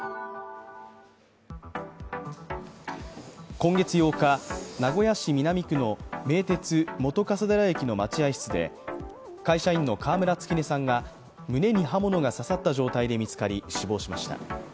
今月８日、名古屋市南区の名鉄本笠寺駅の待合室で会社員の川村月音さんが胸に刃物が刺さった状態で見つかり死亡しました。